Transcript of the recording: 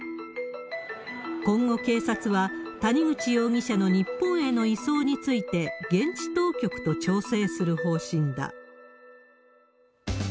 今後、警察は谷口容疑者の日本への移送について、現地当局と調整する方針だ。